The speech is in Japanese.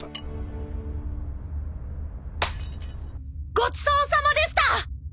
ごちそうさまでした！！